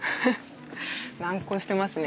難航してますね。